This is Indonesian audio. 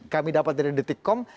kami dapat dari detik com